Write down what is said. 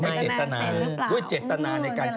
ไม่เจ็ดตนาด้วยเจ็ดตนาในการเขาทำอะไร